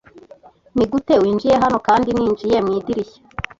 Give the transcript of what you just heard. Nigute winjiye hano kandi Ninjiye mu idirishya.